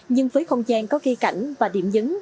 nhưng với không gian có gây cảnh và điểm dấn